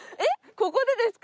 ここでですか？